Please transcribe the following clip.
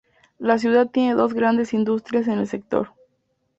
La ciudad tiene dos grandes industrias en el sector.